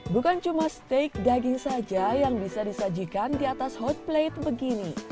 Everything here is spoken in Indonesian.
bukan cuma steak daging saja yang bisa disajikan di atas hot plate begini